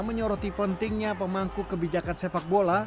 menyoroti pentingnya pemangku kebijakan sepak bola